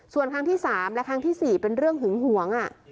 ส่วนครั้งที่๓และครั้งที่๔เป็นเรื่องหึงหวง